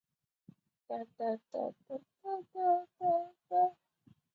微毛血见愁为唇形科香科科属下的一个变种。